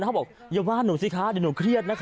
เขาบอกอย่าว่าหนูสิคะเดี๋ยวหนูเครียดนะคะ